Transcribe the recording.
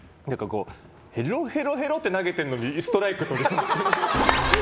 へろへろへろって投げてるのにストライクとりそう。